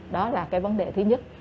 đó là cái vấn đề thứ nhất